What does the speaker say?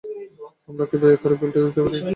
আমরা কি দয়া করে বিলটা পেতে পারি?